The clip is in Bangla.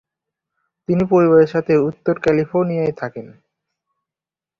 তিনি পরিবারের সাথে উত্তর ক্যালিফোর্নিয়ায় থাকেন।